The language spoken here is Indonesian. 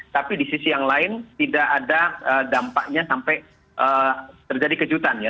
tapi di sisi yang lain tidak ada dampaknya sampai terjadi kejutan ya